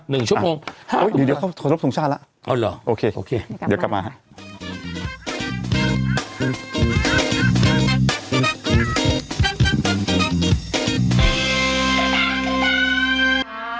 ชั่วโมงเดี๋ยวเขาขอรบทรงชาติแล้วเอาเหรอโอเคโอเคเดี๋ยวกลับมาฮะ